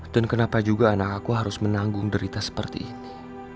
dan kenapa juga anak aku harus menanggung derita seperti ini